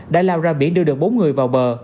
đã lao ra biển đưa được bốn người vào bờ